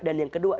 dan yang kedua